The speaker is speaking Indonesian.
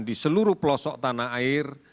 di seluruh pelosok tanah air